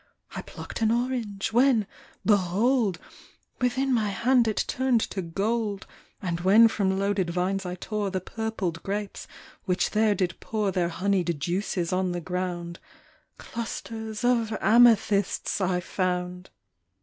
I plucked an orange, when, behold ! Within my hand it turned to gold ; And wheji from loaded vines I tore The purpled grapes, which there did pour Their honeyed juices on the ground. Clusters of amethysts I found.